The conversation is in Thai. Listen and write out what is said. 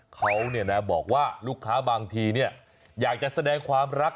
เขาบอกว่าลูกค้าบางทีอยากจะแสดงความรัก